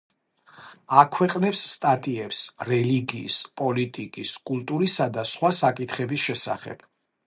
აქვეყნებს სტატიებს რელიგიის, პოლიტიკის, კულტურისა და სხვა საკითხების შესახებ.